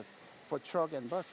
untuk truk dan bus